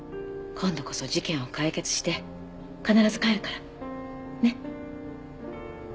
今度こそ事件を解決して必ず帰るから。ね？